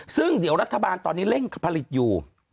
ซึ่งเดี๋ยวรัฐบาลตอนนี้เร่งผลิตอยู่